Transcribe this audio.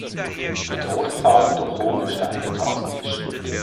Die Todeszahlen durch Hunger steigen drastisch.